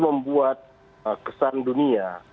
membuat kesan dunia